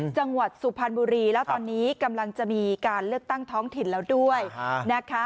จังหวัดสุพรรณบุรีแล้วตอนนี้กำลังจะมีการเลือกตั้งท้องถิ่นแล้วด้วยนะคะ